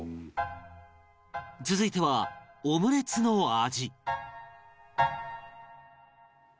続いてはオムレツの味